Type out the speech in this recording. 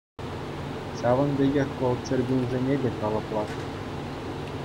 Ҫавӑн пекех вӑл чӗр чунсене те калӑплать.